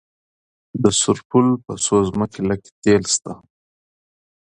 د سرپل په سوزمه قلعه کې تیل شته.